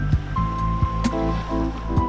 ketika kami datang ke sini